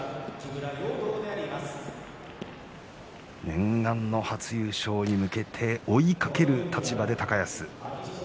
念願の初優勝に向けて追いかける立場で高安。